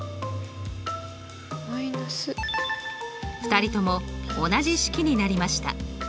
２人とも同じ式になりました。